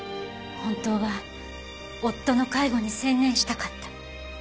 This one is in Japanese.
本当は夫の介護に専念したかった。